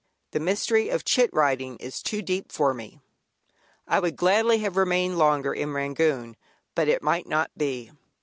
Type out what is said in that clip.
The mystery of "chit" writing is too deep for me. I would gladly have remained longer in Rangoon, but it might not be.